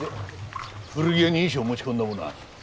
古着屋に衣装を持ち込んだ者は？